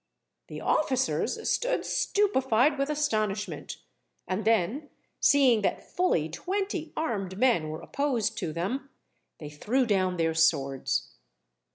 The officers stood stupefied with astonishment; and then, seeing that fully twenty armed men were opposed to them, they threw down their swords.